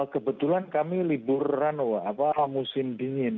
kebetulan kami libur musim dingin